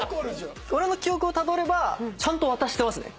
俺の記憶をたどればちゃんと渡してますね